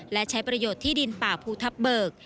และใช้ประโยชน์ที่ดินป่าภูทับเบิก